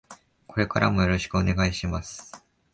これからもよろしくお願いします。